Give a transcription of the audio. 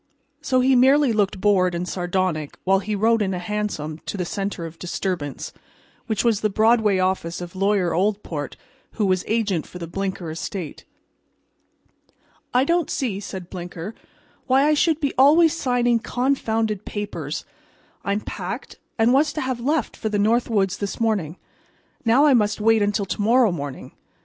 So he merely looked bored and sardonic while he rode in a hansom to the center of disturbance, which was the Broadway office of Lawyer Oldport, who was agent for the Blinker estate. "I don't see," said Blinker, "why I should be always signing confounded papers. I am packed, and was to have left for the North Woods this morning. Now I must wait until to morrow morning.